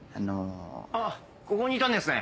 あっここにいたんですね。